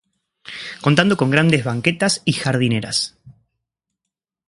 Contando con grandes banquetas y jardineras.